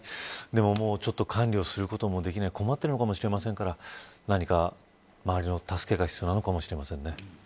でも管理をすることもできない困っているのかもしれませんから何か周りの助けが必要なのかもしれません。